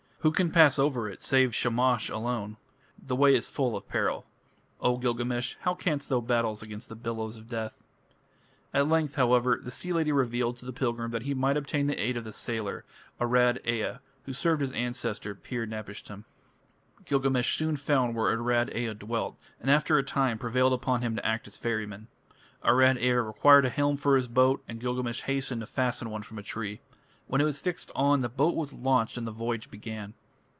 Who can pass over it save Shamash alone? The way is full of peril. O Gilgamesh, how canst thou battle against the billows of death?" At length, however, the sea lady revealed to the pilgrim that he might obtain the aid of the sailor, Arad Ea, who served his ancestor Pir napishtim. Gilgamesh soon found where Arad Ea dwelt, and after a time prevailed upon him to act as ferryman. Arad Ea required a helm for his boat, and Gilgamesh hastened to fashion one from a tree. When it was fixed on, the boat was launched and the voyage began.